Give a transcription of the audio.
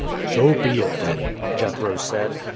"So be it, then," Jethro said.